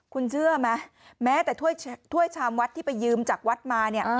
คุณเชื่อไหมแม้แต่ถ้วยชามวัดที่ไปยืมจากวัดมาเนี่ย